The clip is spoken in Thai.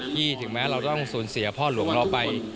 ถึงแม้เราต้องสูญเสียพ่อหลวงเราไป